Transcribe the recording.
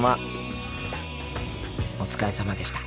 お疲れさまでした。